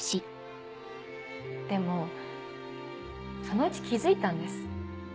でもそのうち気付いたんです。